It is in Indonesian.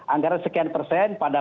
anggaran sekian persen pada